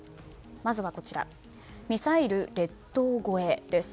まずはこちらミサイル列島超えです。